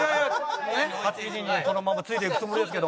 ８時にこのままついていくつもりですけども。